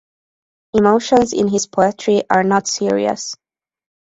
Emotions in his poetry are not serious.